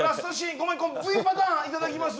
ごめん今度Ｖパターンいただきます